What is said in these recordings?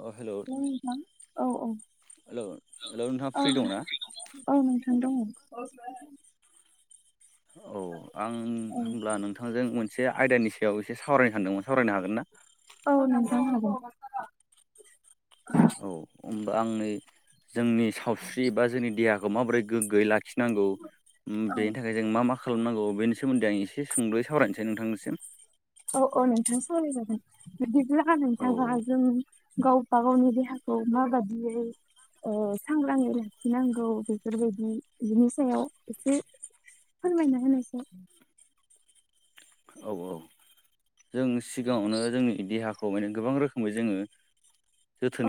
अ hello hello नोंथां औ औ हेलौ हेलौ नोंथाङा फ्रि दंना औ औ नोंथां दङ औ आं औ होमब्ला नोंथांजों मोनसे आयदानि सायाव एसे सावरायनो सानदोंमोन सावरायनो हागोन ना? औ नाजानो हागोन औ होमबा आंनि जोंनि सावस्रि बा जोंनि देहाखौ माबोरै गोग्गोयै लाखि नांगौ बेनि थाखाय जों मा मा खालामनांगौ बेनि सोमोन्दै आं एसे सुंदयै सावरायनोसै नोंथांनिसिम औ औ नोंथाङा सावरायजागोन बिदिब्ला औ नोंथाङा जों गावबा गावनि देहा खौ माबादि आ सांग्राङै लाखिनांगौ बेफोरबायदि बिनि सायाव एसे फोरबायना होनायसै औ औ जों सिगाङावनो जोंनि देहाखौ माने गोबां रोखोमै जोङो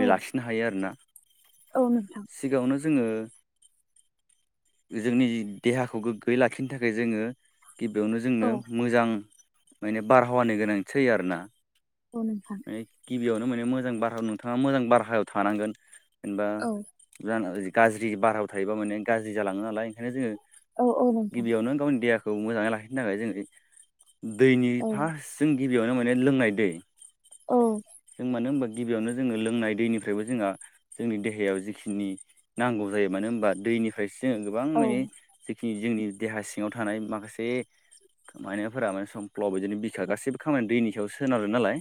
औ लाखिनो हायो आरोना औ नोंथां सिगाङावनो जोङो जोंनि देहाखौ गोग्गोयै लाखिनो थाखाय जोङो गिबियावनो जोंनो औ मोजां माने बारहावानि गोनांथि जायो आरो ना औ नोंथां बेयावनो माने मोजां बारहायाव नोंथाङा मोजां बारहायाव थानांगोन जेनेबा औ [unintelligible] गाज्रि बारहायाव थायोबा माने गाज्रि जालाङो नालाय ओंखायनो जोङो औ औ नोंथां गिबियावनो गावनि देहा खौ मोजाङै लाखिनो थाखाय जोंङो दैनि औ फार्स्ट जों गिबियावनो माने लोंनाय दै औ जों मानो होनबा गिबियावनो जोङो लोंनाय दैनिफ्रायबो जोंहा जोंनि देहायाव जिखिनि नांगौ जायो मानो होनबा दैनिफ्रायसो जोङो गोबां औ माने जेखिनि जोंनि देहा सिङाव थानाय माखासे मायनाफोरा [unintelligible] माने समफ्ल' बिदिनो बिखा गासैबो खामानि दैनि सायाव सोनारो नालाय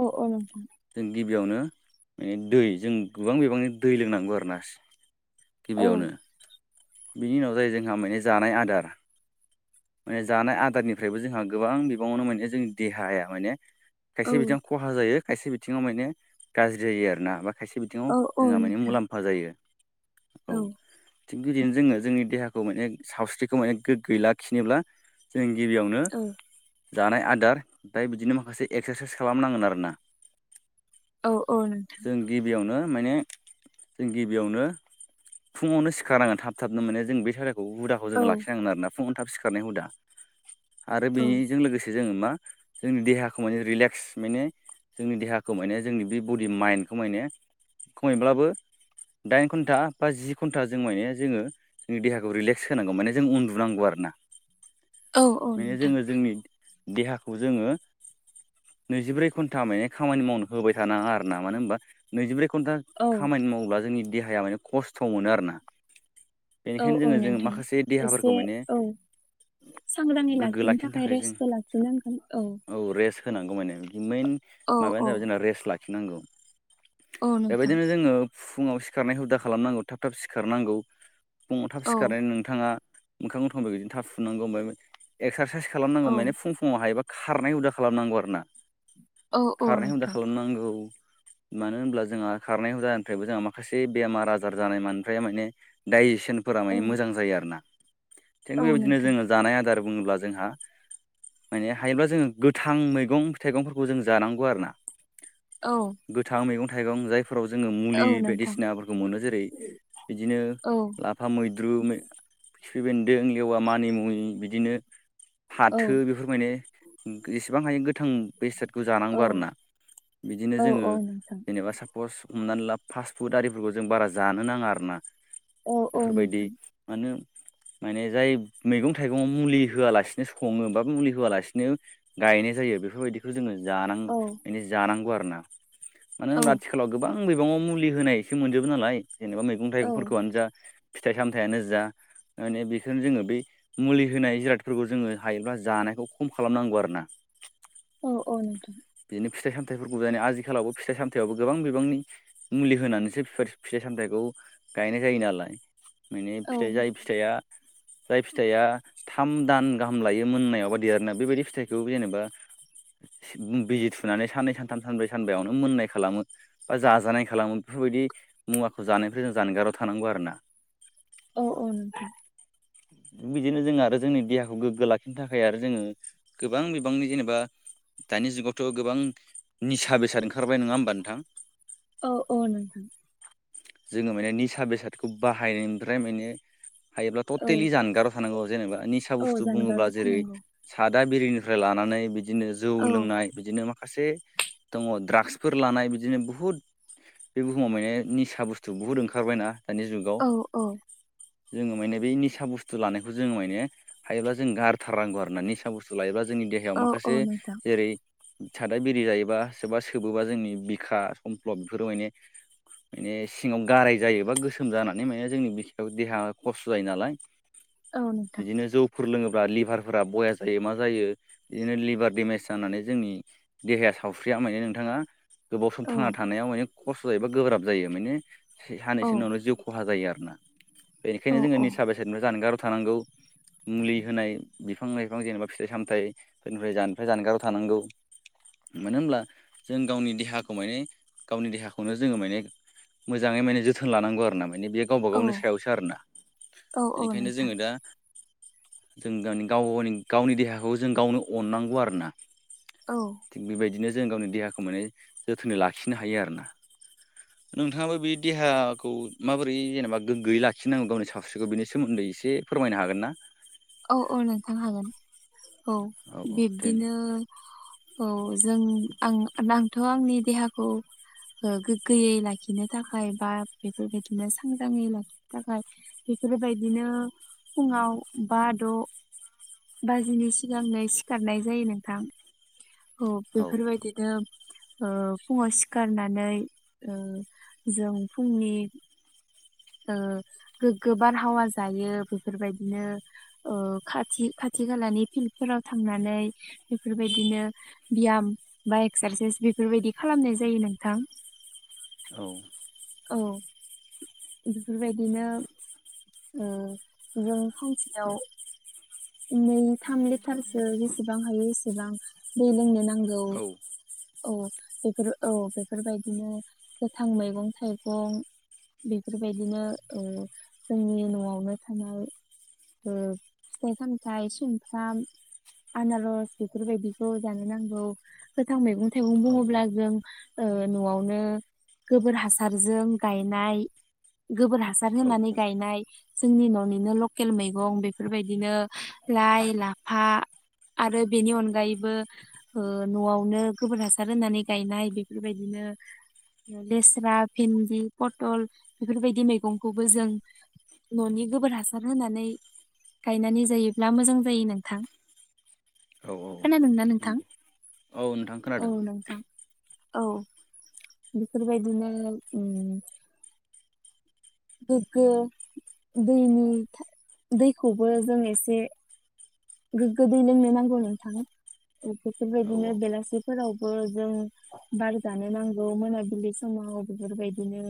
औ औ नोंथां जों गिबियावनो माने दै जों गोबां बिबांनि दै लोंनांगौ आरो ना औ गिबियावनो बिनि उनाव जायो जोंहा माने जानाय आदार माने जानाय आदारनिफ्रायबो जोंहा गोबां बिबाङावनो माने जोंनि देहाया माने औ खायसे बिथिङाव खहा जायो खायसे बिथिङाव माने गाज्रि जायो आरोना बा खायसे बिथिङाव औ औ जोंहा माने नोंथां मुलामफा जायो औ बिदिनो जोङो जोंनि देहाखौ माने सावस्रिखौ माने गोगोयै लाखिनोब्ला जों गिबियावनो औ जानाय आदार ओमफ्राय बिदिनो माखासे एक्सार साइस खालाम नांगोन आरोना औ औ नोंथां जों गिबियावनो माने जों गिबियावनो फुङावनो सिखारनांगोन थाब थाबनो माने जों बे हुदाखौ जोङो औ लाखिनांगोन आरोना फुङाव थाब सिखारनायनि हुदा आरो औ बेजों लोगोसे जों मा जोंनि देहाखौ माने रिलेक्स माने जोंनि देहाखौ माने जोंनि बे बडि माइन्न्दखौ माने खमैब्लाबो दाइन घन्टा बा जि घन्टा जों माने जोङो जोंनि देहाखौ रिलेक्स होनांगौ माने जों उन्दुनांगौ आरोना औ औ माने नोंथां जोङो जोंनि देहाखौ जोङो नैजिब्रै घन्टा माने खामानि मावनो होबाय थानाङा आरोना मानो होनबा नैजिब्रै घन्टा औ खामानि मावोब्ला जोंनि देहाया माने खस्थ' मोनो आरोना औ बेनिखायनो औ जोङो जोङो नोंथां माखासे एसे देहाफोरखौ माने औ सांग्राङै लाखिनो थाखाय रेस्टबो लाखिनांगोन औ होनांगौ माने बि मेइन औ माबायानो औ जाबाय जोंना रेस्ट लाखिनांगौ औ नोंथां बेबायदिनो जोङो फुङाव सिखारनाय हुदा खालामनांगौ थाब थाब सिखार नांगौ फुङाव थाब औ सिखारनानै नोंथाङा मोखां गथं बिदिनो थाब सुनांगौ बेनिफ्राय एक्सारसाइस खालामनांगौ औ माने फुं फुङाव हायोबा खारनाय हुदा खालामनांगौ आरो ना औ औ खारनाय हुदा नोंथां खालाम नांगौ मानो होनब्ला जोंहा खारनाय हुदानिफ्रायबो जोंहा माखासे बेमार आजार जानाय ओमफ्राय माने डाइजेसनफोरा औ माने मोजां जायो आरो ना थिग औ बेबायदिनो नोंथां जोङो जानाय आदार बुङोब्ला जोंहा माने हायोब्ला जोङो गोथां मैगं थाइगंफोरखौ जों जानांगौ आरो ना औ गोथां मैगं थाइगं जायफोराव जोङो औ मुलि नोंथां बायदिसिनाफोरखौ मोनो जेरै बिदिनो औ लाफा मैद द्रु खिफ्रि बेन्दों लेवा मानि मुनि बिदिनो औ फाथो बेफोर माने एसेबां हायो गोथां बेसाटखौ औ जानांगौ आरोना बिदिनो औ जोङो औ नोंथां जेनेबा फस हमनानै ला फास्ट फुड आरिफोरखौ जों बारा जानो नाङा आरो ना औ औ बेफोरबायदि नोंथां मानो माने जाय मैगं थाइगङाव मुलि होआलासिनो सङोबा मुलि होआलासिनो गायनाय जायो बेफोरबायदिखौ जोङो जानां औ जानांगौ आरोना मानो औ होनब्ला आथिखालाव गोबां मैगङाव मुलि होनायसो मोनजोबो नालाय जेनेबा मैगं औ थाइगंफोरखौआनो जा फिथाइ सामथाइयानो जा माने बेखौ जोङो बे मुलि होनाय जिरादफोरखौ जोङो हायोब्ला जानायखौ खम खालामनांगौ आरोना [inaudible] औ औ नोंथां फिथाइ सामथाइफोरखौ दायो आथिखालावबो फिथाइ सामथायावबो गोबां बिबांनि मुलि होनानैसो फिथाइ सामथाइखौ गायनाय जायो नालाय माने औ फिथाइ जाय फिथाइया जाय फिथाइया थाम दान गाहाम लायो मोननायावबा देरनो बेबायदि फिथाइखौ जेनेबा बिजि थुनानै साननै सानथाम सानब्रै सानबायावनो मोननाय खालामो बा जाजानाय खालामो बेफोरबायदि मुवाखौ जानायनिफ्राय जों जानगाराव थानांगौ आरोना औ औ नोंथां उम बिदिनो जों आरो जोंनि देहाखौ गोग्गो लाखिनो थाखाय आरो जोङो गोबां बिबांनि जेनेबा दानि जुगावथ' गोबां निसा बेसाद ओंखारबाय नङा होमबा नोंथां औ औ नों जोङो माने निसा बेसादखौ बाहायनायनिफ्राय माने हायोब्ला औ टटेलि जानगाराव थानांगौ आरो जेबा निसा औ बसतु बुडोबोला जानगाराव थानांगौ सादा बिरिनिफ्राय लानानै बि बिदिनो जौ औ लोंनाय बिदिनो मा माखासे दङ द्राग्सफोर लानाय बिदिनो बुहुत बे बुहुमाव माने निसा बुस्थु बुहुत ओंखारबाय ना औ औ जोङो माने बे निसा बुस्थु लानायखौ जोङो माने हायोब्ला जों गारथारनांगौ आरो ना निसा बुस्थु लायोबा जोंनि देहायाव औ औ माखासे नोंथां जेरै सादा बिरि जायोबा सोरबा सोबोबा जोंनि बिखा समफ्लब बेफोराव माने माने सिङाव गाराय जायोबा गोसोम जानानै माने जोंनि बियाव देहा खस्थ' जायो नालाय औ नोंथां सुुर लोङोब्ला लिभारफोरा बया जायो मा जायो बिदिनो लिभार देमेज जानानै जोंनि देहाया सावस्रिया माने नोंथाङा गोबाव सम औ थांना थानायाव माने खस्थ' जायोबा गोब्राब जायो माने औ सानैसो उनावनो जिउ खहा जायो आरो बेनिखायनो औ जोङो औ निसा बेसादनिफ्राय जानगाराव थानांगौ मुलि होनाय बिफां लाइफां जेनेबा फिथाइ सामथायाइफोरनिफ्राय जानगाराव जानगाराव थानांगौ मानो होनब्ला जों गावनि देहाखौ माने गावनि देहाखौनो जोङो माने मोजाङै माने जोथोन लांगौ आरो नामा माने बे गावबा गावनि औ सायावसो आरोना औ औ बेनिखायनो नोंथां जोङो दा जों गानि गावावनि गावनि देहाखौ जों गावनो अननांगौ आरोना औ थिग बेबायदिनो जों गावनि देहाखौ माने जोथोनै लाखिनो हायो आरोना नोंथाङाबो बे देहाखौ माबोरै जेनबा गोग्गोयै लाखिनांगौ गावनि सावस्रिखौ बेनि सोमोन्दै एसे फोरमायनो हागोन ना औ औ नोंथां हागोन औ औ दे बिब्दिनो औ जों आं आंथ' आंनि देहाखौ गोग्गोयै लाखिनो थाखाय बा बेफोरबायदिनो सांग्राङै लाखिनो थाखाय बेफोरबायदिनो फुङाव बा द' बाजिनि सिगांनो सिखारनाय जायो नोंथां औ बेफोरबायदिनो फुङाव सिखारनानै जों फुंनि गोगो बार हावा जायो बेफोरबायदिनो खा खाथि खालानि फिल्डफोराव थांनानै बेफोरबायदिनो बियाम बा एक्सारसाइस बेफोरबायदि खालामनाय जायो नोंथां औ औ बेफोरबायदिनो जों सानसेयाव नै थाम लिटारसो जेसेबां हायो एसेबां दै लोंनो नांगौ औ औ बेफोर औ बेफोरबायदिनो गोथां मैगं थाइगं बेफोरबायदिनो जोंनि न'आवनो थानाय फिथाइ सामथायाइ सुमफ्राम आनारस बेफोरबायदिखौ जानो नांगौ गोथां मैगं थाइगं औ बुङोब्ला जों न'आवनो गोबोर हासारजों गायनाय गोबोर हासार होनानै गायनाय जोंनि न'निनो लकेल मैगं बेफोरबायदि बिदिनो लाइ लाफा आरो बेनि अनगायैबो न'आवनो गोबोर हासार होनानै गायनाय बेफोरबायदिनो [unintelligible] लेस्रा भिन्दि पथल बेफोरबायदि मैगंखौबो जों न'नि गोबोर हासार होनानै गायनानै जायोब्ला मोजां जायो नोंथां औ खोनादोंं नना नोंथां नंगौ औ नोंथां औ खोनादों नोंथां औ बेफोरबायदिनो गोग्गो दैनि दैखौबो जों एसे गो गोदै लोंनो नांगौ नोंथांखौ औ बेफोरबायदिनो बेलासिफोरावबो जों बार जानो नांगौ मोनाबिलि समाव बेफोरबायदिनो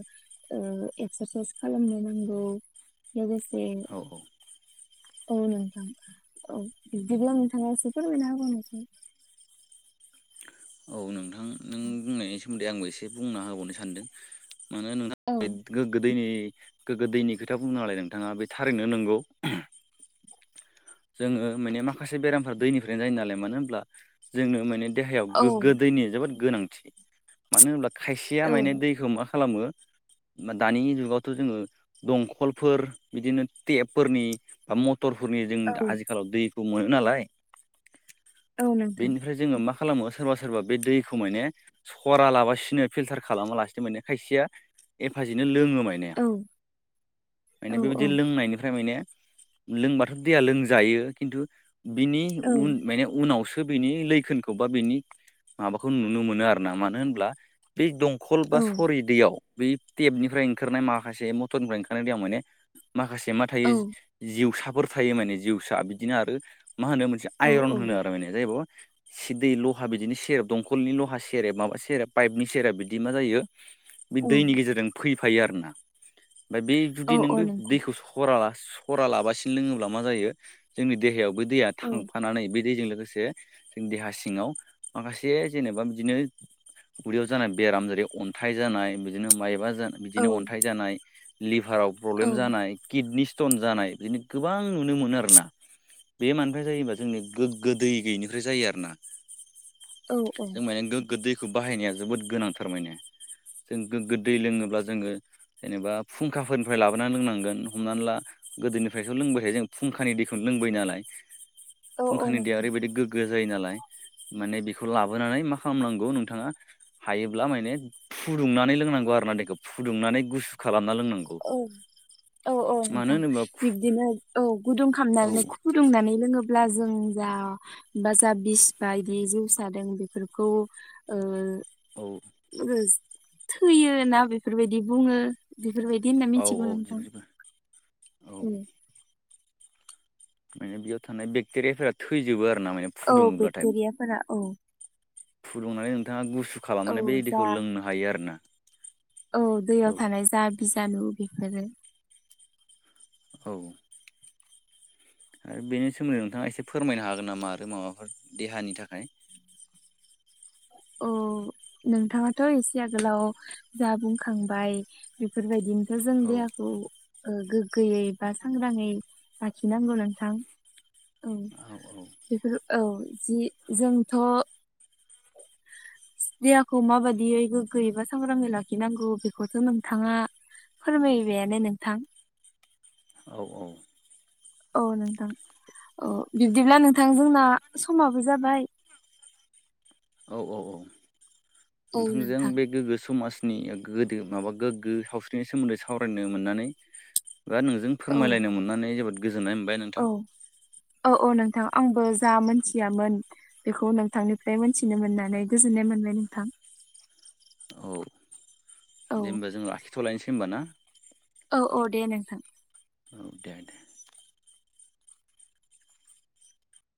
एक्सारसाइस खालामनो नांगौ लोगोसे औ औ नोंथां औ बिदिब्लानो थाङासै फोरमायनो हसै औ नोंथां नों बुंनायनि सोमोन्दै आंबो एसे बुंना होबावनो सानदों माना औ नोंथाङा गोदोनि गोगो दैनि खोथा बुंनो नालाय नोंथाङा बे थारैनो नंगौ जोङो माने माखासे बेरामफ दैनिफ्रायनो जायो नालाय मानो होनब्ला जोंनो माने देहायाव औ गोगो दैनि जोबोद गोनांथि मानो होनोब्ला खायसेया औ माने दैखौ खालामो दानि जुगावथ' जोङो दंखलफोर बिदिनो टेपफोरनि बा मटरफोरनि जों औ आजिखालाव दैखौ मोनो नालाय औ नोंथां बेनिफ्राय जोङो माखासे खालामो सोरबा सोरबा बे दैखौ माने सरा लाबासिनो फिल्टार खालामालासिनो माने खायसेया एफाजिनो लोङोम औ औ बेबादि औ लोंनायनिफ्राय माने लोंबाथ दैया लोंजायो जायो खिन्थु बिनि औ उन माने उनावसो बिनि लैखोनखौ बा बिनि माबाखौ नुनो मोनो आरोना मानो होनब्ला बे दं कल बा औ सरि दैयाव बै टेबनिफ्राय ओंखारनाय माखासे मटरनिफ्राय ओंखारनाय दै आं माने माखासे मा थायो औ जिउसाफोर थायो माने जिउसा बिदिनो आरो मा होनो मोनसे आइरन औ होनो आरो माने जाहैब सि दै लहा बिदिनो सेरेब दंखलनि लहा सेरेब माबा सेरेब पाइपनि सेरेब बिदि मा जायो बे औ दैनि गेजेरजों फैफायो आरोना ओमफफ्राय बे जुदि औ नों औ बे नोंथां दैखौ सरा सरालाबासिनो लोङोब्ला मा जायो जोंनि देहायाव बे दैया औ थांफानानै बे दैजों लोगोसे लोगोसे जोंनि देहा सिङाव माखासे जेनेबा बिदिनो उदैयाव जानाय बेराम जायो अन्थाइ जानाय बिदिनो माइबा ज औ बिदिनो अन्थाइ जानाय लिबाराव प्रब्लेम जानाय किडनि स्टन जानाय बिनो गोबां नुनो मोनो आरो ना बे मानि जायोबा जोंनि गोग्गो दै गैयैनिफ्राय जायो आरोना औ औ जों माने गोगो दैखौ बाहायनाया जोबोद गोनांथारमाने जों गोग्गो दै लोङोब्ला जोङो जेनेबा फुंखाफोरनिफ्राय लाबोनानै लोंनांगोन हमनानै ला गोदोनिफ्राय' लोंबाय थायो जों फुंखानि दैखौनो लोंबाय नालाय औ औ फुंखानि दैया नोंथां ओरैबायाददि गोग्गो जायो नालाय माने बेखौ लाबोनानै मा खालामनांगौ नोंथाङा हायोब्ला माने फुदुंनानै लोंनांगौ आरोना देखौ फुदुंनानै गुसु खालाम औ औ औ मानो नोंथां होनोबा बिब्दिनो औ गुदुं औ खालामनानै दुंनानै लोंङोब्ला जों जा ब बिस बायदि जउादों बेफोरखौ ओ औ थैयो ना बेफोरबायदि बुङो इदि होननानै औ मिथिगौ औ जेबो नोथां जेबो औ उम माने बेयाव थानाय बेक्टेरियाफोरा थैजोबो आरो ना माने औ फुदुङोब्लाथाय बेक्टेरियाफोरा औ फुदुंनानै नोंथाङा गुसु औ खालामनानै बे जा दैखौ लोंनो हायो आरो ना औ दैयाव थानाय जा बिजानु बिफोरो औ आरो बेनि सोमोन्दै नोंथाङा एसे फोरमायनो हागोन नामा आरो माबाफोर देहानि थाखाय [inaudible] औ [inaudible] नोंथाङाथ' एसे आगोलाव जा बुंखांबाय बेफोर बायदिनो जों औ देहाखौ ओ गोग्गोयै बा सांग्राङै लाखिनांगौ नोंथां औ बेफोर औ जि जोंथ' [inaudible] देहाखौ माबादियै गोग्गोय बा सांग्राङै लाखिनांगौ बेखौ जे नोंथाङा फोरमाय बायानो नोंथां औ औ औ नोंथां औ बिब्दिब्ला नोंथां जोंना समाबो जाबाय औ औ औ औ नोंथांजों नोंथां बे गोग्गो समाज नि गोदो माबा गोग्गो सावस्रिनि सोमोन्दै सावरायनो मोननानै बा नोंजों औ फोरमायलायनो मोननानै जोबोद गोजोननाय मोनबाय औ नोंथां औ औ नोंथां आंबो जा मोनथियामोन बेखौ नोंथांनिफ्राय मोनथिनो मोननानै गोजोन मोनबाय नोंथां औ औ दे होमबा जों लाखिथ'लायनोसै होमबा ना औ औ दे नोंथां औ दे दे